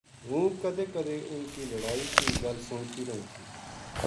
ہوں کدے کدے اُنھ کی لڑائی کی گل سنتی رہوں تھی